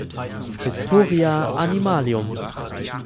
Historia Animalium.